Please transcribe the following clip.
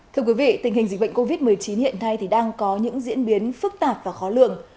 thưa quý vị tình hình dịch bệnh covid một mươi chín hiện nay thì đang có những diễn biến phức tạp và khó lường